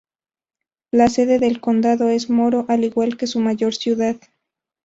La sede del condado es Moro, al igual que su mayor ciudad.